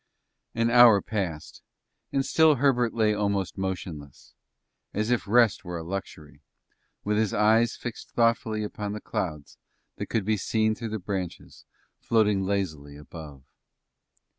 An hour passed, and still Herbert lay almost motionless, as if rest were a luxury, with his eyes fixed thoughtfully upon the clouds that could be seen through the branches floating lazily above.